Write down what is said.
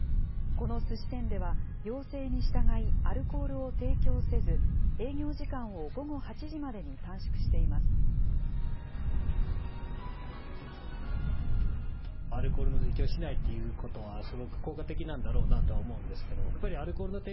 このすし店では、要請に従い、アルコールを提供せず、営業時間を午後８時までに短縮しています。